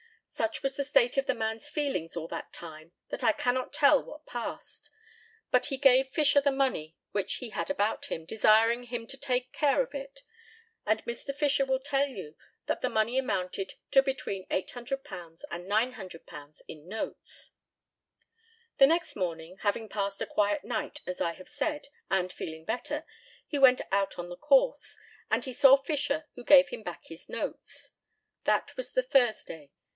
Such was the state of the man's feelings all that time that I cannot tell what passed; but he gave Fisher the money which he had about him, desiring him to take care of it, and Mr. Fisher will tell you that that money amounted to between £800 and £900 in notes. The next morning, having passed a quiet night, as I have said, and feeling better, he went out on the course; and he saw Fisher, who gave him back his notes. That was the Thursday.